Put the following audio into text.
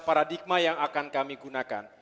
paradigma yang akan kami gunakan